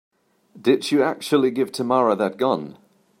Did you actually give Tamara that gun?